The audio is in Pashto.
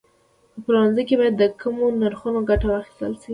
په پلورنځي کې باید د کمو نرخونو ګټه واخیستل شي.